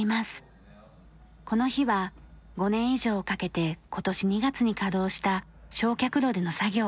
この日は５年以上をかけて今年２月に稼働した焼却炉での作業。